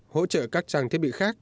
hỗ trợ các trang thiết bị khác